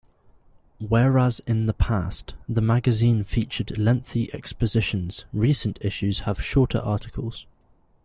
Whereas in the past, the magazine featured lengthy expositions, recent issues have shorter articles.